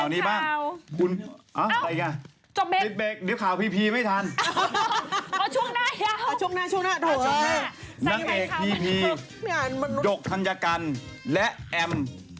นักเอกพีดกธัญกรรมและแอม